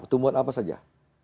tumbuhan apa saja